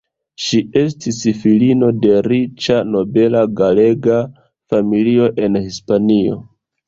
Ŝi estis filino de riĉa nobela galega familio en Hispanio.